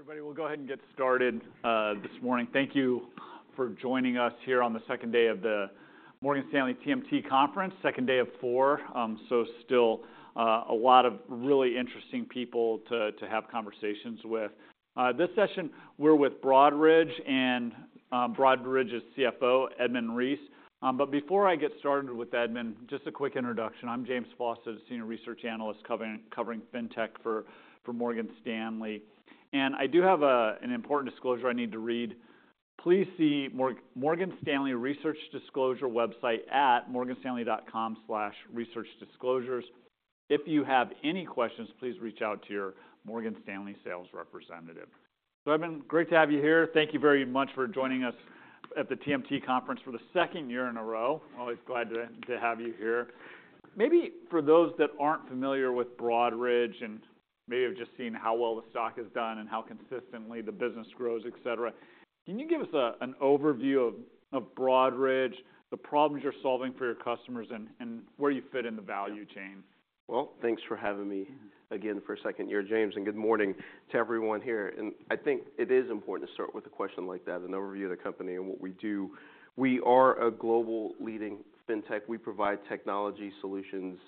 Everybody, we'll go ahead and get started this morning. Thank you for joining us here on the second day of the Morgan Stanley TMT Conference, second day of four, so still a lot of really interesting people to have conversations with. This session we're with Broadridge and Broadridge's CFO, Edmund Reese. But before I get started with Edmund, just a quick introduction. I'm James Faucette, a senior research analyst covering fintech for Morgan Stanley. I do have an important disclosure I need to read. Please see Morgan Stanley Research Disclosure website at morganstanley.com/researchdisclosures. If you have any questions, please reach out to your Morgan Stanley sales representative. Edmund, great to have you here. Thank you very much for joining us at the TMT Conference for the second year in a row. Always glad to have you here. Maybe for those that aren't familiar with Broadridge and maybe have just seen how well the stock has done and how consistently the business grows, etc., can you give us an overview of Broadridge, the problems you're solving for your customers, and where you fit in the value chain? Well, thanks for having me again for a second year, James, and good morning to everyone here. I think it is important to start with a question like that, an overview of the company and what we do. We are a global leading fintech. We provide technology solutions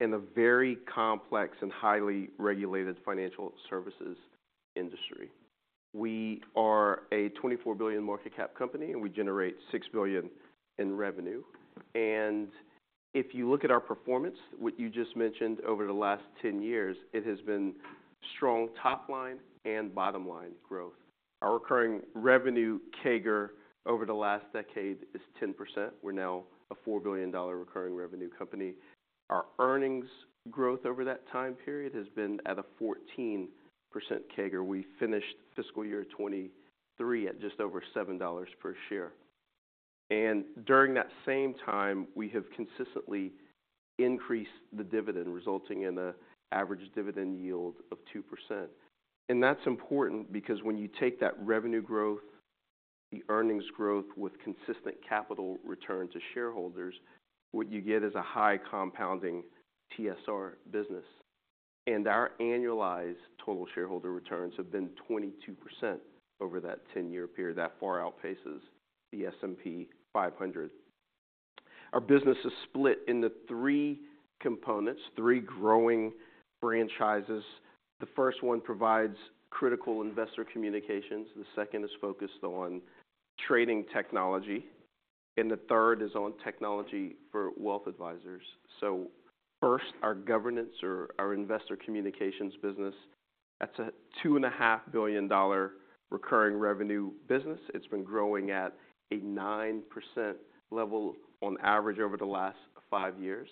in a very complex and highly regulated financial services industry. We are a $24 billion market cap company, and we generate $6 billion in revenue. If you look at our performance, what you just mentioned over the last 10 years, it has been strong top-line and bottom-line growth. Our recurring revenue CAGR over the last decade is 10%. We're now a $4 billion recurring revenue company. Our earnings growth over that time period has been at a 14% CAGR. We finished fiscal year 2023 at just over $7 per share. During that same time, we have consistently increased the dividend, resulting in an average dividend yield of 2%. That's important because when you take that revenue growth, the earnings growth, with consistent capital return to shareholders, what you get is a high compounding TSR business. Our annualized total shareholder returns have been 22% over that 10-year period. That far outpaces the S&P 500. Our business is split into three components, three growing franchises. The first one provides critical investor communications. The second is focused on trading technology. The third is on technology for wealth advisors. First, our governance or our investor communications business, that's a $2.5 billion recurring revenue business. It's been growing at a 9% level on average over the last five years.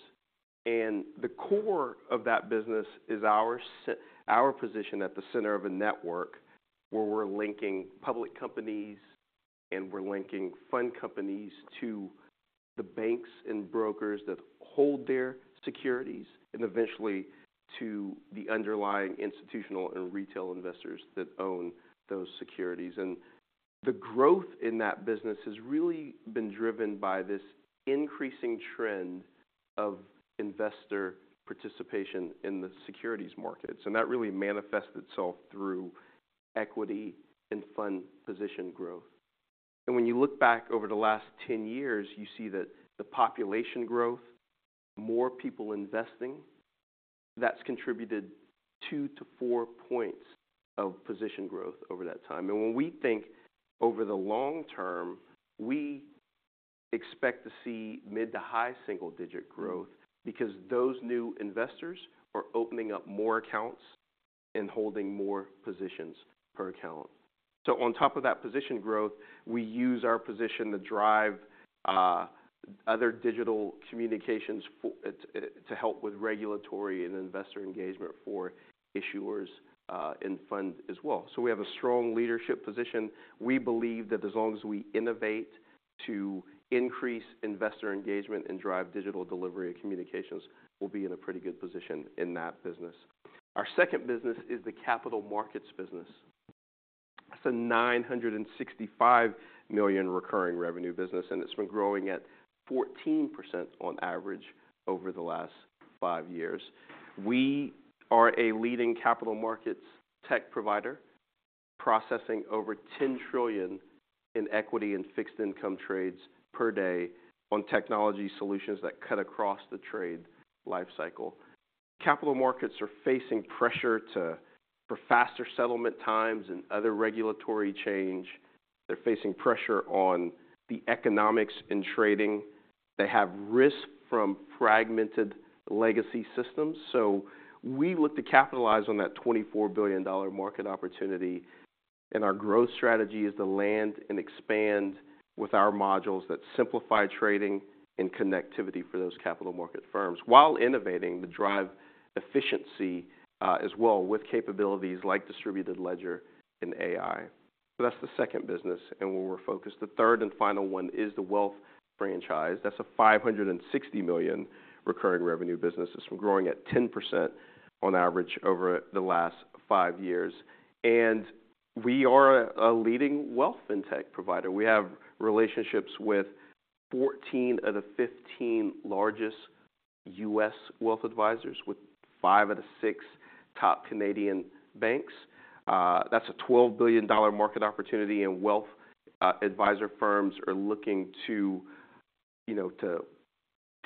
The core of that business is our position at the center of a network where we're linking public companies, and we're linking fund companies to the banks and brokers that hold their securities, and eventually to the underlying institutional and retail investors that own those securities. The growth in that business has really been driven by this increasing trend of investor participation in the securities markets. That really manifests itself through equity and fund position growth. When you look back over the last 10 years, you see that the population growth, more people investing, that's contributed 2-4 points of position growth over that time. When we think over the long term, we expect to see mid- to high single-digit growth because those new investors are opening up more accounts and holding more positions per account. On top of that position growth, we use our position to drive other digital communications for it, to help with regulatory and investor engagement for issuers, and funds as well. We have a strong leadership position. We believe that as long as we innovate to increase investor engagement and drive digital delivery of communications, we'll be in a pretty good position in that business. Our second business is the capital markets business. That's a $965 million recurring revenue business, and it's been growing at 14% on average over the last five years. We are a leading capital markets tech provider, processing over $10 trillion in equity and fixed-income trades per day on technology solutions that cut across the trade lifecycle. Capital markets are facing pressure for faster settlement times and other regulatory change. They're facing pressure on the economics in trading. They have risk from fragmented legacy systems. So we look to capitalize on that $24 billion market opportunity. And our growth strategy is to land and expand with our modules that simplify trading and connectivity for those capital market firms while innovating to drive efficiency, as well with capabilities like distributed ledger and AI. So that's the second business and where we're focused. The third and final one is the wealth franchise. That's a $560 million recurring revenue business. It's been growing at 10% on average over the last five years. And we are a leading wealth fintech provider. We have relationships with 14 of the 15 largest U.S. wealth advisors with five of the six top Canadian banks. That's a $12 billion market opportunity, and wealth advisor firms are looking to, you know, to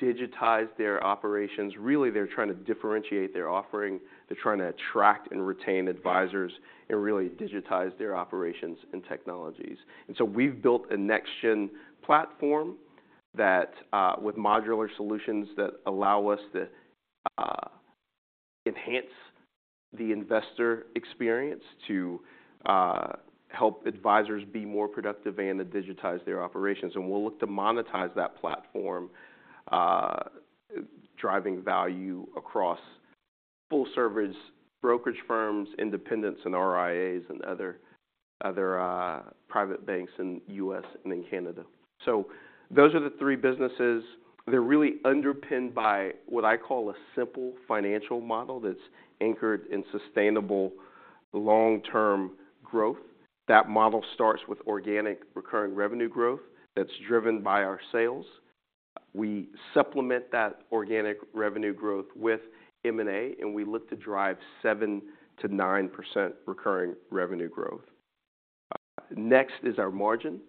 digitize their operations. Really, they're trying to differentiate their offering. They're trying to attract and retain advisors and really digitize their operations and technologies. And so we've built a next-gen platform that, with modular solutions that allow us to, enhance the investor experience to, help advisors be more productive and to digitize their operations. And we'll look to monetize that platform, driving value across full-service brokerage firms, independents, and RIAs, and other, other, private banks in the U.S. and in Canada. So those are the three businesses. They're really underpinned by what I call a simple financial model that's anchored in sustainable long-term growth. That model starts with organic recurring revenue growth that's driven by our sales. We supplement that organic revenue growth with M&A, and we look to drive 7%-9% recurring revenue growth. Next is our margin.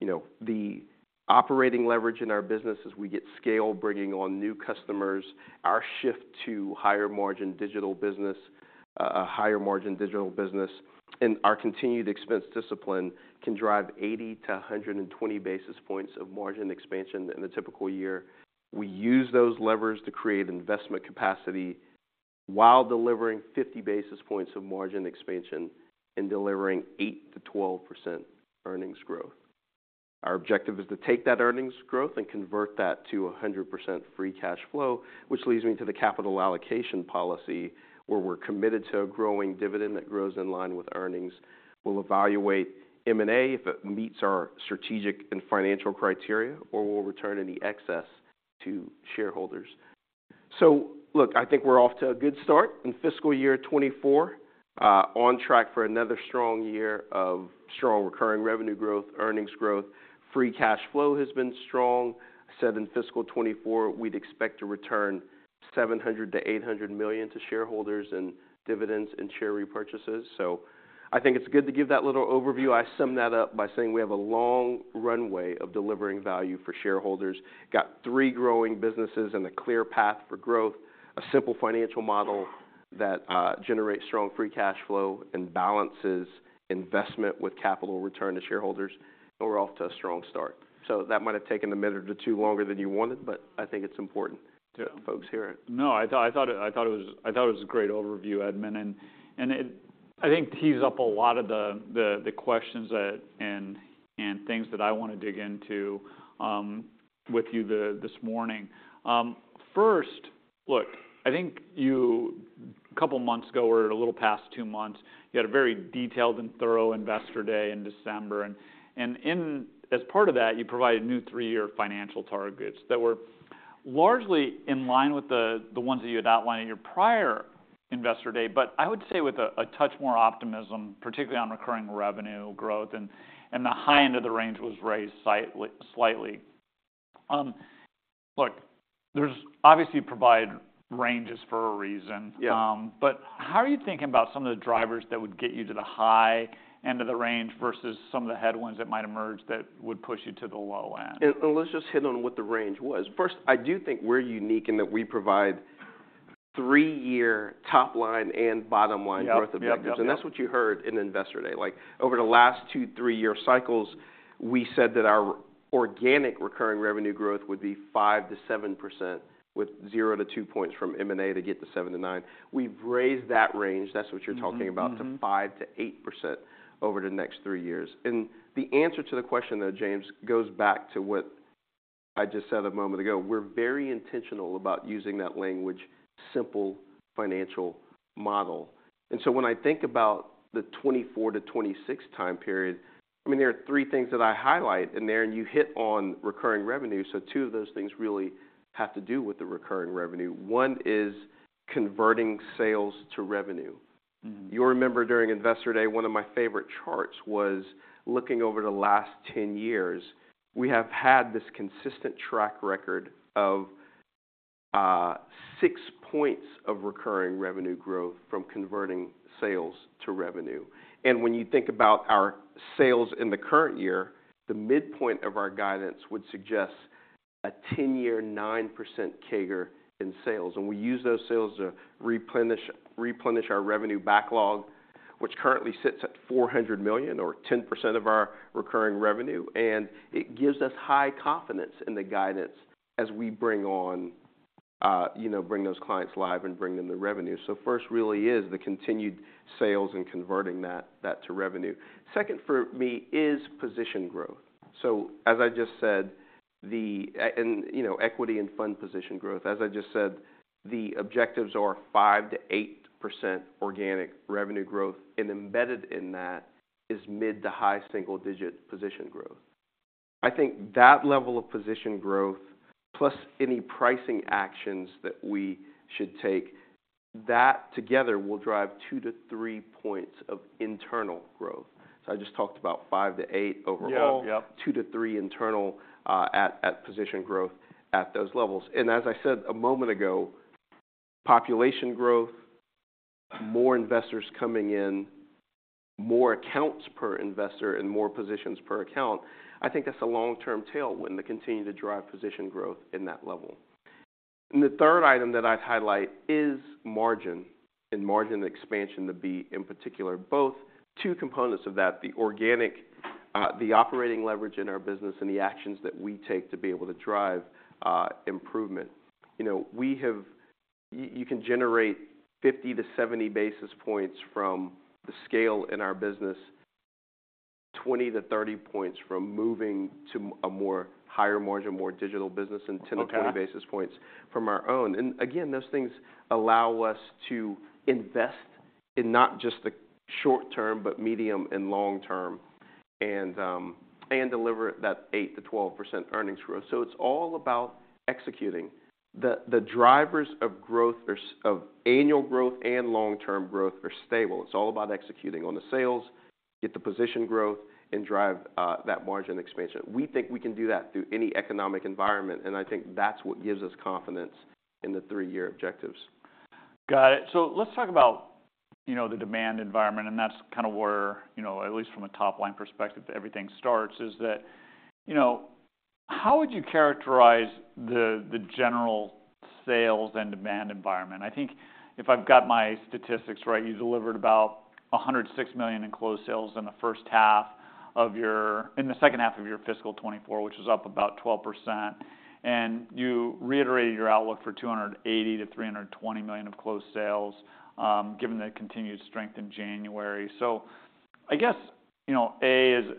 You know, the operating leverage in our business as we get scale, bringing on new customers, our shift to higher-margin digital business, a higher-margin digital business, and our continued expense discipline can drive 80-120 basis points of margin expansion in a typical year. We use those levers to create investment capacity while delivering 50 basis points of margin expansion and delivering 8%-12% earnings growth. Our objective is to take that earnings growth and convert that to 100% free cash flow, which leads me to the capital allocation policy where we're committed to a growing dividend that grows in line with earnings. We'll evaluate M&A if it meets our strategic and financial criteria, or we'll return any excess to shareholders. So look, I think we're off to a good start in fiscal year 2024, on track for another strong year of strong recurring revenue growth, earnings growth. Free cash flow has been strong. I said in fiscal 2024, we'd expect to return $700 million-$800 million to shareholders in dividends and share repurchases. So I think it's good to give that little overview. I sum that up by saying we have a long runway of delivering value for shareholders, got three growing businesses and a clear path for growth, a simple financial model that, generates strong free cash flow and balances investment with capital return to shareholders. And we're off to a strong start. So that might have taken a minute or two longer than you wanted, but I think it's important to folks hear it. No, I thought it was a great overview, Edmund. And it, I think, tees up a lot of the questions and things that I want to dig into with you this morning. First, look, I think a couple months ago or a little past 2 months, you had a very detailed and thorough Investor Day in December. And in as part of that, you provided new 3-year financial targets that were largely in line with the ones that you had outlined at your prior Investor Day, but I would say with a touch more optimism, particularly on recurring revenue growth. And the high end of the range was raised slightly. Look, there's obviously you provide ranges for a reason. Yeah. How are you thinking about some of the drivers that would get you to the high end of the range versus some of the headwinds that might emerge that would push you to the low end? Let's just hit on what the range was. First, I do think we're unique in that we provide three-year top-line and bottom-line growth of dividends. That's what you heard in the Investor Day. Like, over the last 2-3-year cycles, we said that our organic recurring revenue growth would be 5%-7% with 0-2 points from M&A to get to 7%-9%. We've raised that range. That's what you're talking about. To 5%-8% over the next three years. The answer to the question, though, James, goes back to what I just said a moment ago. We're very intentional about using that language, simple financial model. So when I think about the 2024-2026 time period, I mean, there are three things that I highlight in there, and you hit on recurring revenue. So two of those things really have to do with the recurring revenue. One is converting sales to revenue. You'll remember during Investor Day, one of my favorite charts was looking over the last 10 years. We have had this consistent track record of 6 points of recurring revenue growth from converting sales to revenue. When you think about our sales in the current year, the midpoint of our guidance would suggest a 10-year 9% CAGR in sales. We use those sales to replenish, replenish our revenue backlog, which currently sits at $400 million or 10% of our recurring revenue. It gives us high confidence in the guidance as we bring on, you know, bring those clients live and bring them the revenue. So first really is the continued sales and converting that, that to revenue. Second for me is position growth. So as I just said, the equity and fund position growth, as I just said, the objectives are 5%-8% organic revenue growth. And embedded in that is mid- to high single-digit position growth. I think that level of position growth plus any pricing actions that we should take, that together will drive 2-3 points of internal growth. So I just talked about 5%-8% overall. 2-3% internal at position growth at those levels. And as I said a moment ago, population growth, more investors coming in, more accounts per investor, and more positions per account, I think that's a long-term tailwind to continue to drive position growth in that level. And the third item that I'd highlight is margin and margin expansion to be in particular, both two components of that, the organic, the operating leverage in our business and the actions that we take to be able to drive, improvement. You know, you can generate 50-70 basis points from the scale in our business, 20-30 points from moving to a more higher-margin, more digital business and 10-20 basis points. From our own. And again, those things allow us to invest in not just the short-term but medium and long-term and deliver that 8%-12% earnings growth. So it's all about executing. The drivers of growth are sources of annual growth and long-term growth are stable. It's all about executing. On the sales, get the position growth and drive that margin expansion. We think we can do that through any economic environment. And I think that's what gives us confidence in the three-year objectives. Got it. So let's talk about, you know, the demand environment. And that's kind of where, you know, at least from a top-line perspective, everything starts, is that, you know, how would you characterize the general sales and demand environment? I think if I've got my statistics right, you delivered about $106 million in closed sales in the second half of your fiscal 2024, which was up about 12%. And you reiterated your outlook for $280 million-$320 million of closed sales, given the continued strength in January. So I guess, you know,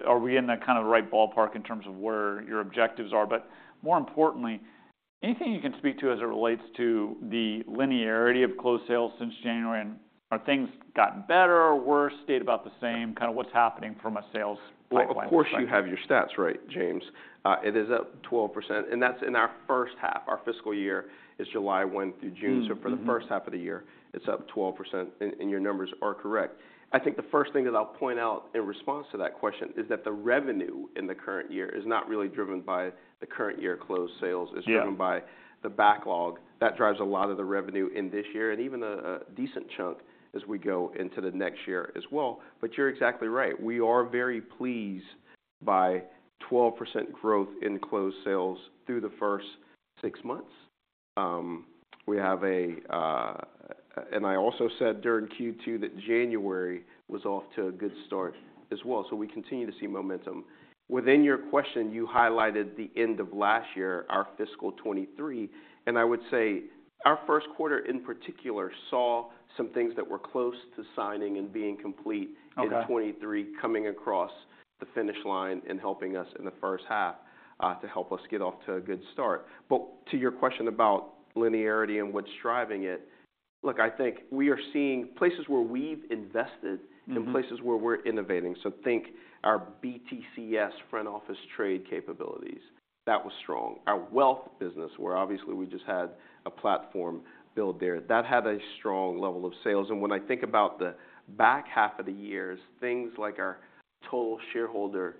are we in the kind of right ballpark in terms of where your objectives are? But more importantly, anything you can speak to as it relates to the linearity of closed sales since January? Are things gotten better, worse, stayed about the same, kind of what's happening from a sales pipeline perspective? Of course, you have your stats right, James. It is up 12%. And that's in our first half, our fiscal year is July 1 through June.So for the first half of the year, it's up 12%. And, and your numbers are correct. I think the first thing that I'll point out in response to that question is that the revenue in the current year is not really driven by the current year closed sales. It's driven by the backlog that drives a lot of the revenue in this year and even a decent chunk as we go into the next year as well. But you're exactly right. We are very pleased by 12% growth in closed sales through the first six months. We have, and I also said during Q2 that January was off to a good start as well. So we continue to see momentum. Within your question, you highlighted the end of last year, our fiscal 2023. And I would say our first quarter in particular saw some things that were close to signing and being complete. In 2023 coming across the finish line and helping us in the first half, to help us get off to a good start. But to your question about linearity and what's driving it, look, I think we are seeing places where we've invested. In places where we're innovating. So think our BTCS front office trade capabilities. That was strong. Our wealth business, where obviously we just had a platform built there, that had a strong level of sales. And when I think about the back half of the years, things like our Tailored Shareholder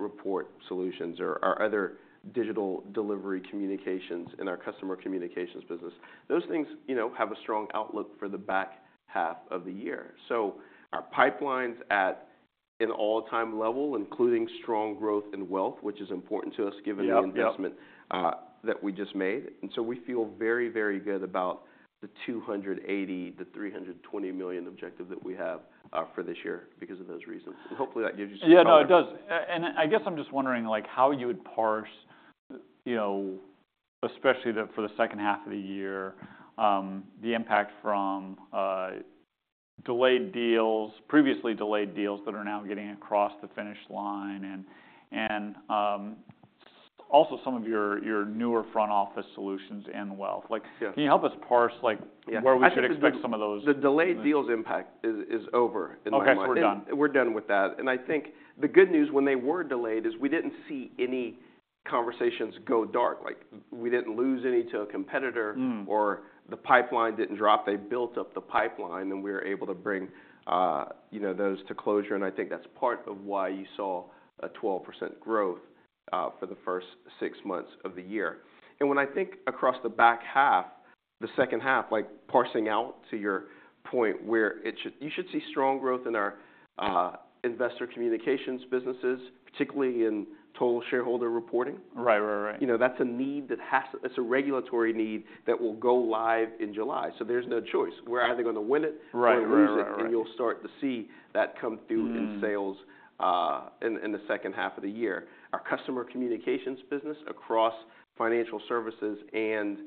Report solutions or other digital delivery communications in our Customer Communications business, those things, you know, have a strong outlook for the back half of the year. So our pipelines at an all-time level, including strong growth in wealth, which is important to us given the investment that we just made. And so we feel very, very good about the $280 million-$320 million objective that we have for this year because of those reasons. And hopefully, that gives you some thought. Yeah, no, it does. And I guess I'm just wondering, like, how you would parse, you know, especially for the second half of the year, the impact from delayed deals, previously delayed deals that are now getting across the finish line, and also some of your newer front office solutions and wealth. Like, can you help us parse, like, where we should expect some of those? I think the delayed deals impact is over in my mind. Okay, so you're done. We're done with that. I think the good news when they were delayed is we didn't see any conversations go dark. Like, we didn't lose any to a competitor or the pipeline didn't drop. They built up the pipeline, and we were able to bring, you know, those to closure. And I think that's part of why you saw a 12% growth for the first six months of the year. And when I think across the back half, the second half, like, parsing out to your point where it should you should see strong growth in our investor communications businesses, particularly in total shareholder reporting. Right, right, right. You know, that's a need that has to, it's a regulatory need that will go live in July. So there's no choice. We're either gonna win it. Right, right, right. Or lose it. And you'll start to see that come through in sales in the second half of the year. Our Customer Communications business across financial services and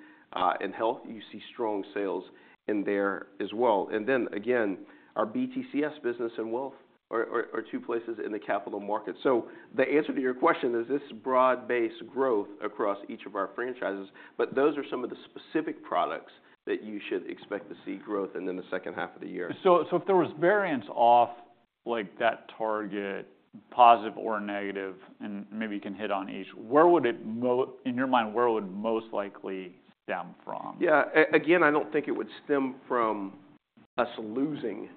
health; you see strong sales in there as well. And then again, our BTCS business and wealth are two places in the capital markets. So the answer to your question is this broad-based growth across each of our franchises. But those are some of the specific products that you should expect to see growth in the second half of the year. So, if there was variance off, like, that target, positive or negative, and maybe you can hit on each, where would it go in your mind, where would it most likely stem from? Yeah. Again, I don't think it would stem from us losing,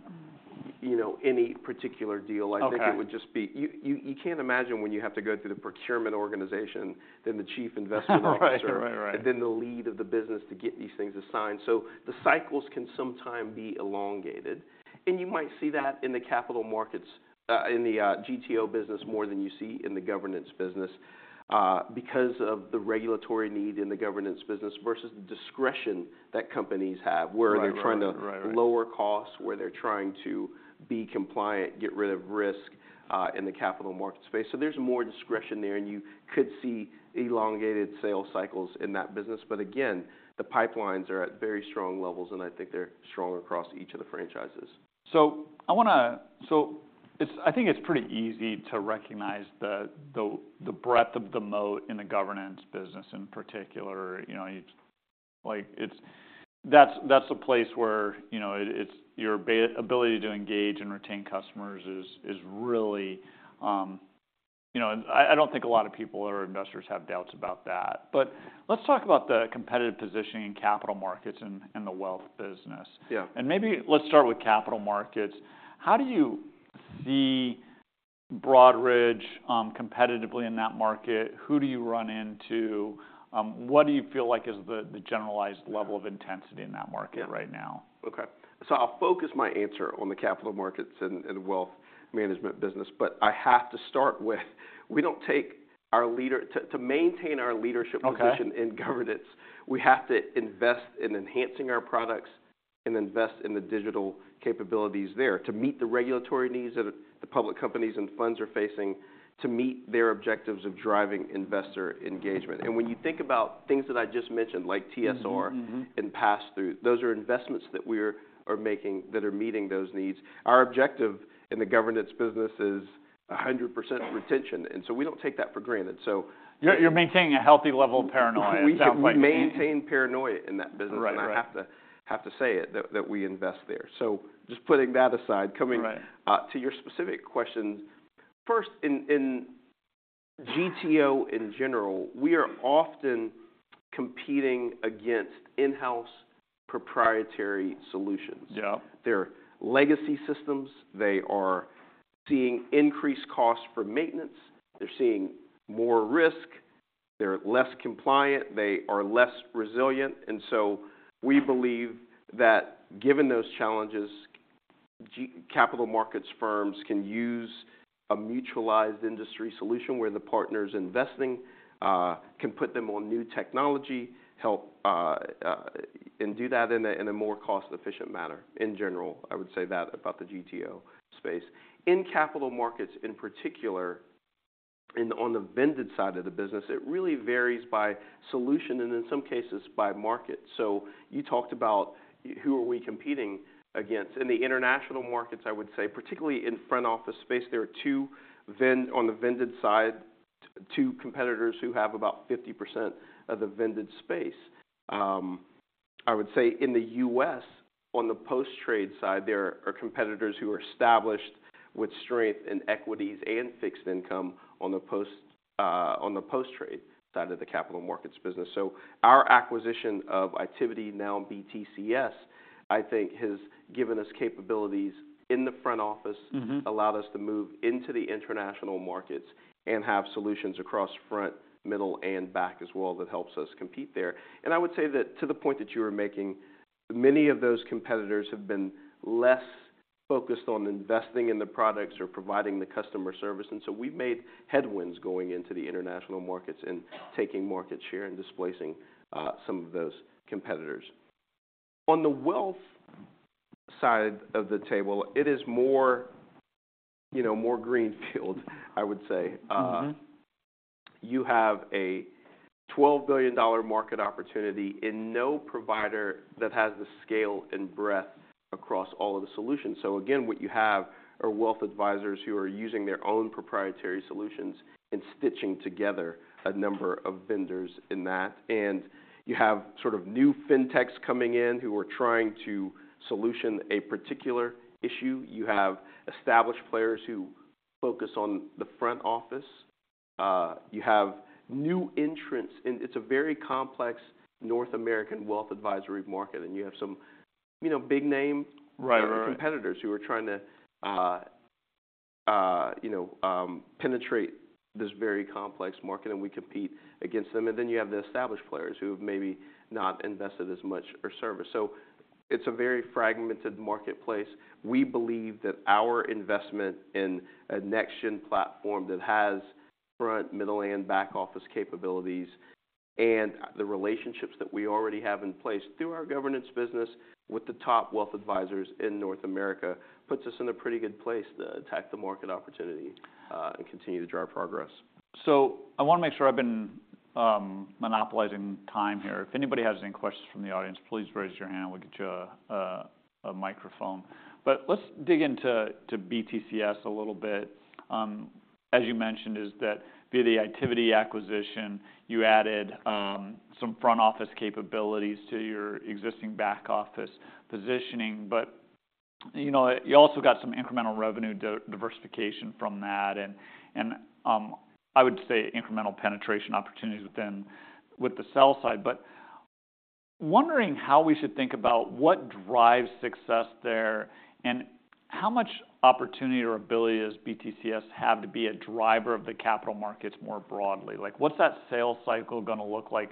you know, any particular deal. I think it would just be you. You can't imagine when you have to go through the procurement organization, then the chief investment officer. Right, right, right. And then the lead of the business to get these things assigned. So the cycles can sometimes be elongated. And you might see that in the capital markets, in the GTO business more than you see in the governance business, because of the regulatory need in the governance business versus the discretion that companies have, where they're trying to. Right, right, right. Lower costs, where they're trying to be compliant, get rid of risk, in the capital markets space. So there's more discretion there. And you could see elongated sales cycles in that business. But again, the pipelines are at very strong levels, and I think they're strong across each of the franchises. So, I wanna, so it's, I think it's pretty easy to recognize the breadth of the moat in the governance business in particular. You know, like, it's that. That's a place where, you know, it's your ability to engage and retain customers is really, you know, and I don't think a lot of people or investors have doubts about that. But let's talk about the competitive positioning in capital markets and the wealth business. Maybe let's start with capital markets. How do you see Broadridge, competitively in that market? Who do you run into? What do you feel like is the generalized level of intensity in that market right now? Yeah. Okay. So I'll focus my answer on the capital markets and wealth management business. But I have to start with we don't take our leadership to maintain our leadership position. In governance, we have to invest in enhancing our products and invest in the digital capabilities there to meet the regulatory needs that the public companies and funds are facing, to meet their objectives of driving investor engagement. When you think about things that I just mentioned, like TSR. Pass-through, those are investments that we're making that are meeting those needs. Our objective in the governance business is 100% retention. We don't take that for granted. So yeah. You're maintaining a healthy level of paranoia. Sounds like you're right. We should maintain paranoia in that business. Right, right. And I have to say it, that we invest there. So just putting that aside, coming to your specific questions, first, in GTO in general, we are often competing against in-house proprietary solutions. They're legacy systems. They are seeing increased costs for maintenance. They're seeing more risk. They're less compliant. They are less resilient. And so we believe that given those challenges, global capital markets firms can use a mutualized industry solution where the partners investing can put them on new technology, help, and do that in a more cost-efficient manner in general. I would say that about the GTO space. In capital markets in particular, on the vended side of the business, it really varies by solution and in some cases by market. So you talked about who are we competing against. In the international markets, I would say, particularly in front office space, there are two vendors on the vended side, two competitors who have about 50% of the vended space. I would say in the U.S., on the post-trade side, there are competitors who are established with strength in equities and fixed income on the post, on the post-trade side of the capital markets business. So our acquisition of Itiviti now BTCS, I think, has given us capabilities in the front office allowed us to move into the international markets and have solutions across front, middle, and back as well that helps us compete there. I would say that to the point that you were making, many of those competitors have been less focused on investing in the products or providing the customer service. So we've made headway going into the international markets and taking market share and displacing some of those competitors. On the wealth side of the table, it is more, you know, more greenfield, I would say. You have a $12 billion market opportunity in no provider that has the scale and breadth across all of the solutions. So again, what you have are wealth advisors who are using their own proprietary solutions and stitching together a number of vendors in that. And you have sort of new fintechs coming in who are trying to solution a particular issue. You have established players who focus on the front office. You have new entrants in. It's a very complex North American wealth advisory market. And you have some, you know, big name. Competitors who are trying to, you know, penetrate this very complex market. We compete against them. Then you have the established players who have maybe not invested as much or service. It's a very fragmented marketplace. We believe that our investment in a next-gen platform that has front, middle, and back office capabilities and the relationships that we already have in place through our governance business with the top wealth advisors in North America puts us in a pretty good place to attack the market opportunity, and continue to drive progress. So I wanna make sure I've been monopolizing time here. If anybody has any questions from the audience, please raise your hand. We'll get you a microphone. But let's dig into to BTCS a little bit. As you mentioned, is that via the Itiviti acquisition, you added some front office capabilities to your existing back office positioning. But you know, you also got some incremental revenue diversification from that and, and I would say incremental penetration opportunities within the sell side. But wondering how we should think about what drives success there and how much opportunity or ability does BTCS have to be a driver of the capital markets more broadly? Like, what's that sale cycle gonna look like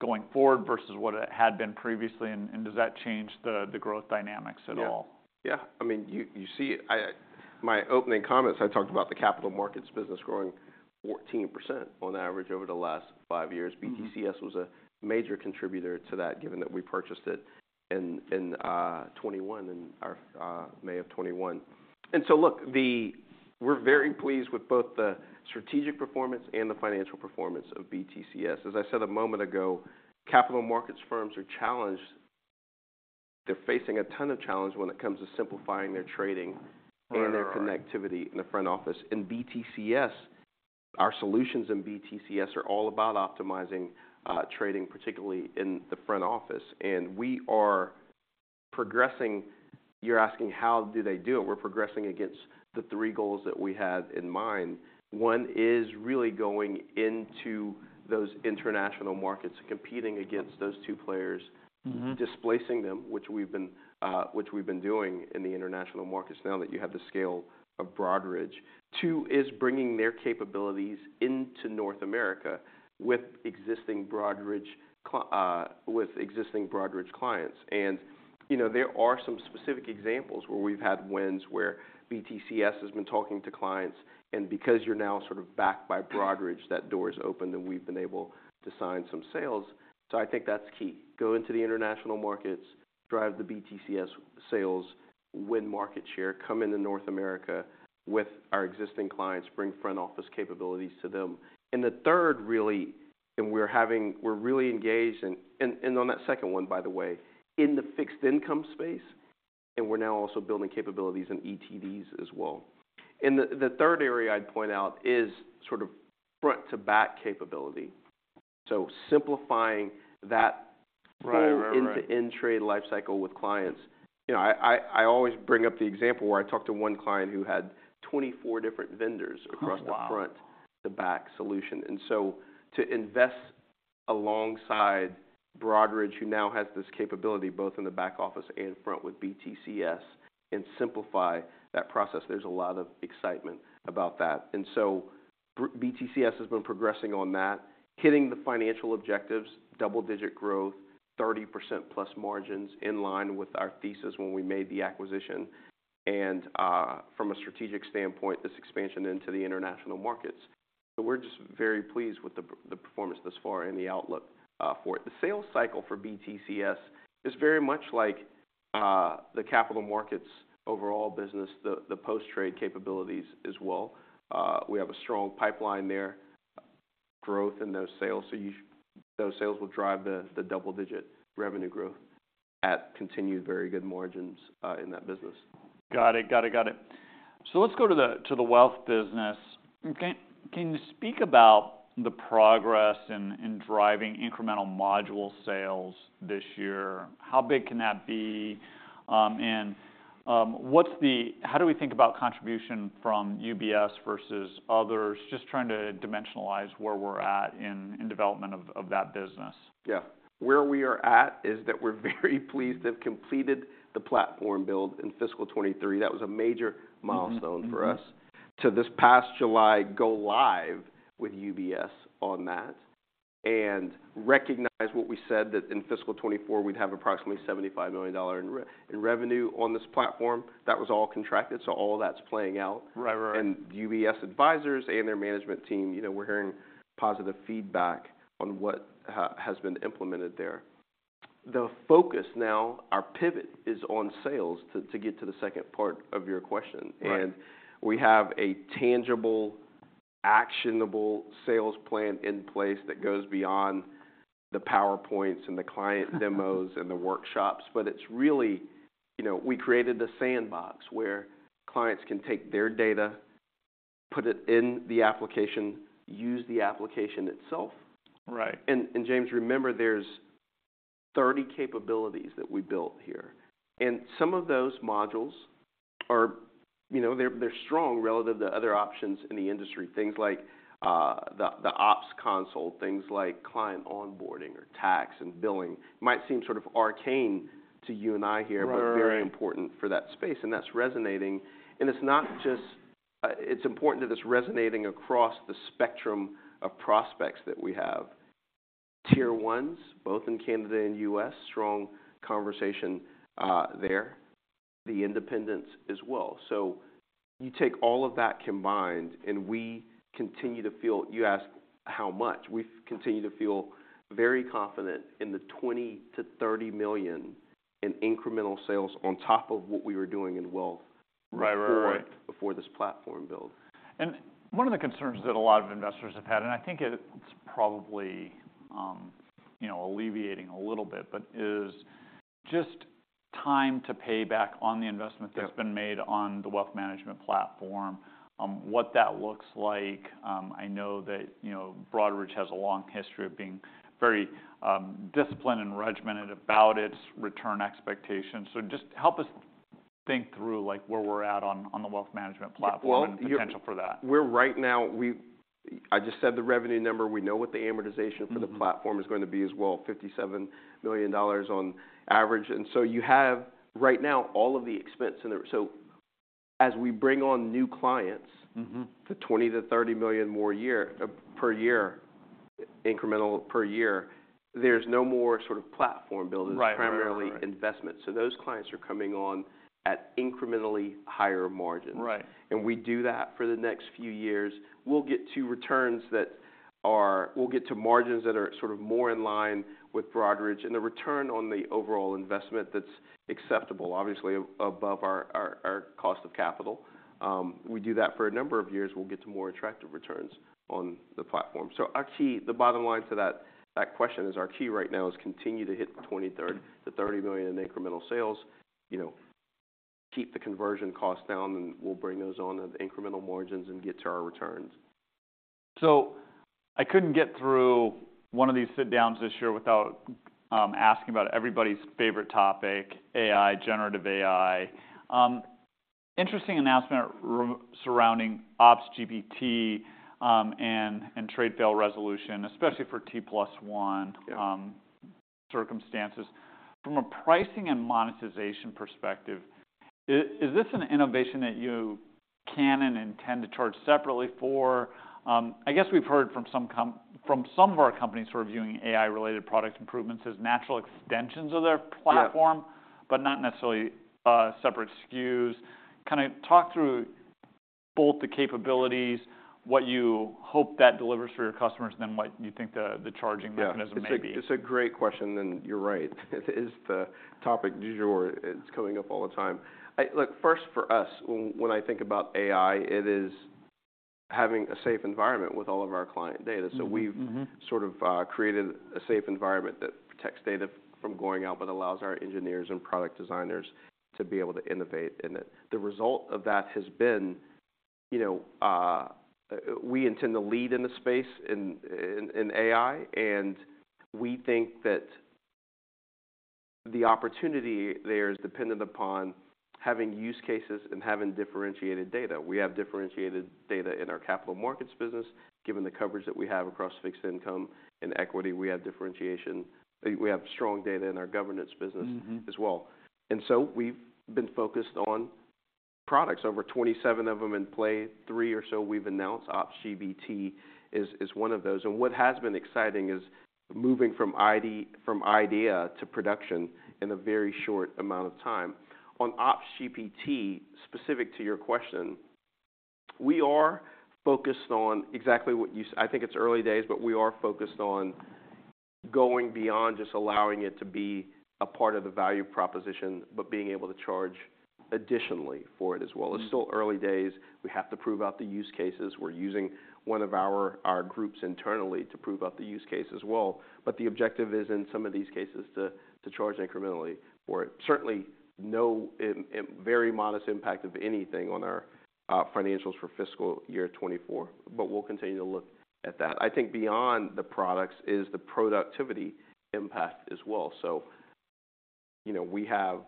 going forward versus what it had been previously? And does that change the growth dynamics at all? Yeah. Yeah. I mean, you see, in my opening comments, I talked about the capital markets business growing 14% on average over the last five years. BTCS was a major contributor to that given that we purchased it in 2021, in May of 2021. And so look, we're very pleased with both the strategic performance and the financial performance of BTCS. As I said a moment ago, capital markets firms are challenged. They're facing a ton of challenge when it comes to simplifying their trading and their connectivity in the front office. In BTCS, our solutions in BTCS are all about optimizing trading, particularly in the front office. And we are progressing. You're asking how do they do it? We're progressing against the three goals that we had in mind. One is really going into those international markets, competing against those two players. Displacing them, which we've been doing in the international markets now that you have the scale of Broadridge. Two is bringing their capabilities into North America with existing Broadridge clients. And, you know, there are some specific examples where we've had wins where BTCS has been talking to clients. And because you're now sort of backed by Broadridge, that door's open, and we've been able to sign some sales. So I think that's key. Go into the international markets, drive the BTCS sales, win market share, come into North America with our existing clients, bring front office capabilities to them. And the third, really, and we're really engaged in on that second one, by the way, in the fixed income space. And we're now also building capabilities in ETDs as well. The third area I'd point out is sort of front-to-back capability. Simplifying that, from end-to-end trade lifecycle with clients. You know, I always bring up the example where I talked to one client who had 24 different vendors across the front, the back solution. And so to invest alongside Broadridge, who now has this capability both in the back office and front with BTCS and simplify that process, there's a lot of excitement about that. And so BTCS has been progressing on that, hitting the financial objectives, double-digit growth, 30%+ margins in line with our thesis when we made the acquisition. And, from a strategic standpoint, this expansion into the international markets. So we're just very pleased with the performance thus far and the outlook for it. The sales cycle for BTCS is very much like the capital markets overall business, the post-trade capabilities as well. We have a strong pipeline there, growth in those sales. So those sales will drive the double-digit revenue growth at continued very good margins in that business. Got it. Got it. Got it. So let's go to the wealth business. Okay. Can you speak about the progress in driving incremental module sales this year? How big can that be? And, what's the how do we think about contribution from UBS versus others? Just trying to dimensionalize where we're at in development of that business. Yeah. Where we are at is that we're very pleased to have completed the platform build in fiscal 2023. That was a major milestone for us. Through this past July, go live with UBS on that and recognize what we said that in fiscal 2024, we'd have approximately $75 million in revenue on this platform. That was all contracted. So all that's playing out UBS advisors and their management team, you know, we're hearing positive feedback on what has been implemented there. The focus now, our pivot is on sales to get to the second part of your question. We have a tangible, actionable sales plan in place that goes beyond the PowerPoints and the client demos and the workshops. It's really, you know, we created a sandbox where clients can take their data, put it in the application, use the application itself. James, remember, there's 30 capabilities that we built here. And some of those modules are, you know, they're strong relative to other options in the industry, things like the ops console, things like client onboarding or tax and billing. It might seem sort of arcane to you and I here. But very important for that space. And that's resonating. And it's not just. It's important that it's resonating across the spectrum of prospects that we have. Tier ones, both in Canada and U.S., strong conversation there. The independents as well. So you take all of that combined, and we continue to feel. You asked how much. We've continued to feel very confident in the $20 million-$30 million in incremental sales on top of what we were doing in wealth before this platform build. One of the concerns that a lot of investors have had, and I think it's probably, you know, alleviating a little bit, but is just time to pay back on the investment that's been made. On the wealth management platform, what that looks like? I know that, you know, Broadridge has a long history of being very disciplined and regimented about its return expectations. So just help us think through, like, where we're at on the wealth management platform. Well, we're- The potential for that. We're right now—I just said the revenue number. We know what the amortization for the platform is going to be as well, $57 million on average. And so you have right now all of the expense in the—so as we bring on new clients. The $20 million-$30 million more per year, incremental per year, there's no more sort of platform build. It's primarily investment. So those clients are coming on at incrementally higher margins. We do that for the next few years. We'll get to returns that are we'll get to margins that are sort of more in line with Broadridge and a return on the overall investment that's acceptable, obviously, above our cost of capital. We do that for a number of years. We'll get to more attractive returns on the platform. So our key, the bottom line to that question, is our key right now is continue to hit the $23, the $30 million in incremental sales, you know, keep the conversion costs down, and we'll bring those on at incremental margins and get to our returns. So I couldn't get through one of these sit-downs this year without asking about everybody's favorite topic, AI, generative AI. Interesting announcement re surrounding OpsGPT, and, and trade fail resolution, especially for T+1 circumstances. From a pricing and monetization perspective, is this an innovation that you can and intend to charge separately for? I guess we've heard from some of our companies who are viewing AI-related product improvements as natural extensions of their platform. But not necessarily separate SKUs. Kinda talk through both the capabilities, what you hope that delivers for your customers, and then what you think the charging mechanism may be. Yeah. It's a great question. And you're right. It is the topic du jour. It's coming up all the time. First, for us, when I think about AI, it is having a safe environment with all of our client data. So we've sort of created a safe environment that protects data from going out but allows our engineers and product designers to be able to innovate in it. The result of that has been, you know, we intend to lead in the space in AI. And we think that the opportunity there is dependent upon having use cases and having differentiated data. We have differentiated data in our capital markets business given the coverage that we have across fixed income and equity. We have differentiation, we have strong data in our governance business as well. And so we've been focused on products, over 27 of them in play. Three or so we've announced. OpsGPT is one of those. And what has been exciting is moving from idea to production in a very short amount of time. On OpsGPT, specific to your question, we are focused on exactly what you said. I think it's early days, but we are focused on going beyond just allowing it to be a part of the value proposition but being able to charge additionally for it as well. It's still early days. We have to prove out the use cases. We're using one of our groups internally to prove out the use case as well. But the objective is, in some of these cases, to charge incrementally for it. Certainly, no very modest impact of anything on our financials for fiscal year 2024. But we'll continue to look at that. I think beyond the products is the productivity impact as well. So, you know, we have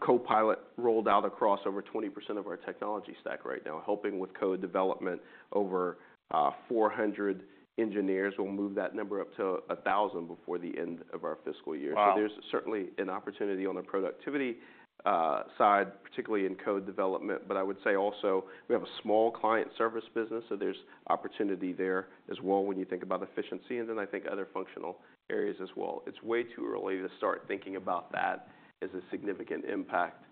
Copilot rolled out across over 20% of our technology stack right now, helping with code development over 400 engineers. We'll move that number up to 1,000 before the end of our fiscal year. There's certainly an opportunity on the productivity side, particularly in code development. I would say also we have a small client service business. There's opportunity there as well when you think about efficiency and then, I think, other functional areas as well. It's way too early to start thinking about that as a significant impact.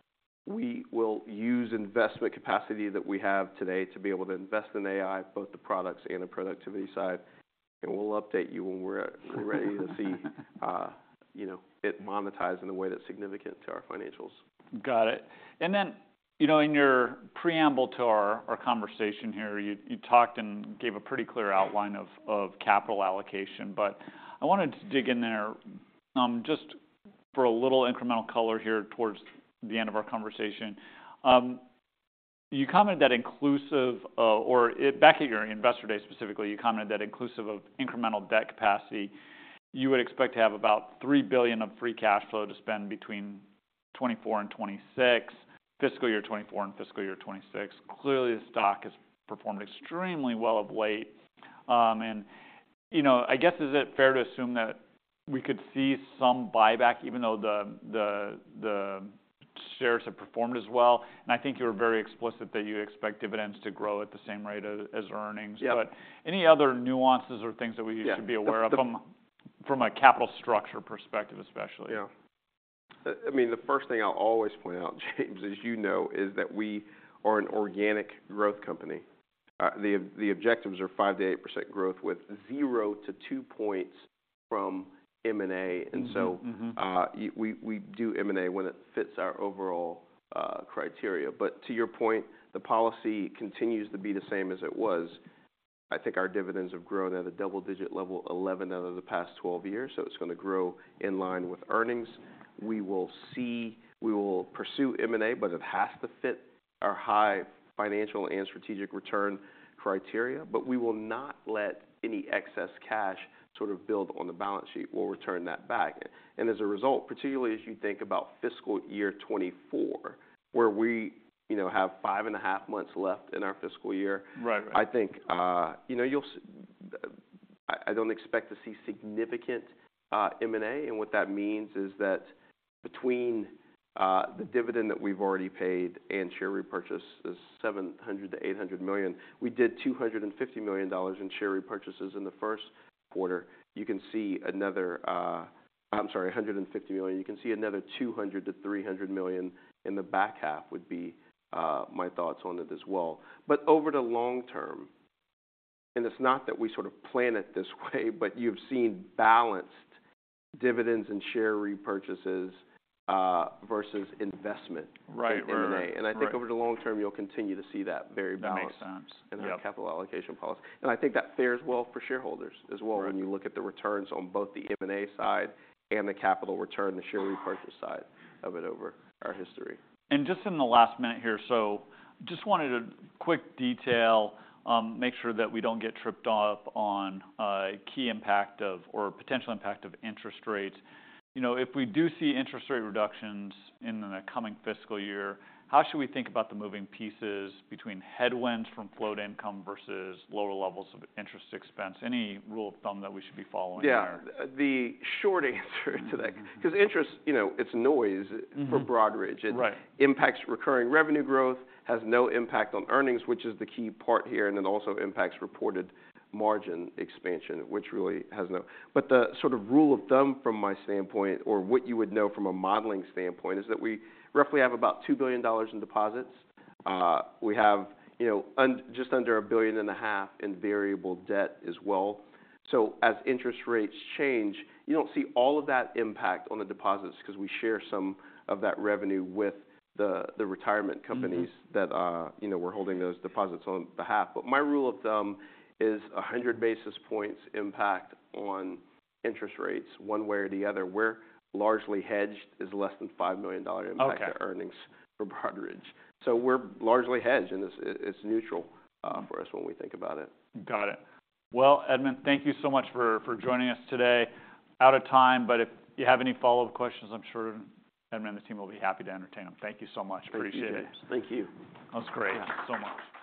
We will use investment capacity that we have today to be able to invest in AI, both the products and the productivity side. We'll update you when we're ready to see, you know, it monetized in a way that's significant to our financials. Got it. And then, you know, in your preamble to our, our conversation here, you, you talked and gave a pretty clear outline of, of capital allocation. But I wanted to dig in there, just for a little incremental color here towards the end of our conversation. You commented that inclusive of or it back at your Investor Day, specifically, you commented that inclusive of incremental debt capacity, you would expect to have about $3 billion of free cash flow to spend between 2024 and 2026, fiscal year 2024 and fiscal year 2026. Clearly, the stock has performed extremely well of late. And, you know, I guess, is it fair to assume that we could see some buyback even though the, the, the shares have performed as well? And I think you were very explicit that you expect dividends to grow at the same rate as, as earnings. Yeah. But any other nuances or things that we should be aware of? From a capital structure perspective, especially? Yeah. I mean, the first thing I'll always point out, James, as you know, is that we are an organic growth company. The objectives are 5%-8% growth with 0-2 points from M&A. And so, why we do M&A when it fits our overall criteria. But to your point, the policy continues to be the same as it was. I think our dividends have grown at a double-digit level, 11 out of the past 12 years. So it's gonna grow in line with earnings. We will pursue M&A, but it has to fit our high financial and strategic return criteria. But we will not let any excess cash sort of build on the balance sheet. We'll return that back. And as a result, particularly as you think about fiscal year 2024, where we, you know, have five and a half months left in our fiscal year. Right, right. I think, you know, you'll see, I don't expect to see significant M&A. And what that means is that between the dividend that we've already paid and share repurchases, $700 million-$800 million, we did $250 million in share repurchases in the first quarter. You can see another, I'm sorry, $150 million. You can see another $200 million-$300 million in the back half would be my thoughts on it as well. But over the long term and it's not that we sort of plan it this way, but you've seen balanced dividends and share repurchases versus investment in M&A. I think over the long term, you'll continue to see that very balanced. That makes sense. In our capital allocation policy. I think that fares well for shareholders as well. When you look at the returns on both the M&A side and the capital return, the share repurchase side of it over our history. Just in the last minute here, so just wanted a quick detail, make sure that we don't get tripped up on, key impact of or potential impact of interest rates. You know, if we do see interest rate reductions in the coming fiscal year, how should we think about the moving pieces between headwinds from float income versus lower levels of interest expense, any rule of thumb that we should be following there? Yeah. The short answer to that is 'cause interest, you know, it's noise for Broadridge. It impacts recurring revenue growth, has no impact on earnings, which is the key part here, and then also impacts reported margin expansion, which really has no, but the sort of rule of thumb from my standpoint or what you would know from a modeling standpoint is that we roughly have about $2 billion in deposits. We have, you know, and just under $1.5 billion in variable debt as well. So as interest rates change, you don't see all of that impact on the deposits 'cause we share some of that revenue with the, the retirement companies that, you know, we're holding those deposits on behalf. But my rule of thumb is 100 basis points impact on interest rates, one way or the other. We're largely hedged. It's less than $5 million impact to earnings for Broadridge. So we're largely hedged. And it's neutral for us when we think about it. Got it. Well, Edmund, thank you so much for joining us today. Out of time. But if you have any follow-up questions, I'm sure Edmund and the team will be happy to entertain them. Thank you so much. Appreciate it. Thank you, James. Thank you. That was great.